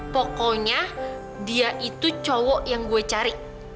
pokoknya dia itu cowok yang gue cari